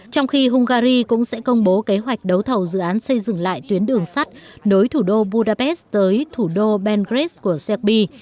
trong khi hungary cũng sẽ công bố kế hoạch đấu thầu dự án xây dựng lại tuyến đường sắt nối thủ đô budapest tới thủ đô bengrez của serbi